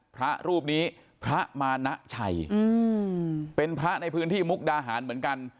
พระรูปนี้พระมานะชัยเป็นพระในพื้นที่มุกดาหารเหมือนกัน